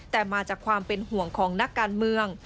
แต่มาจากความเป็นห่วงของนักการเมือง